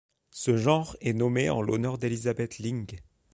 Ce genre est nommé en l'honneur d'Elizabeth Ling.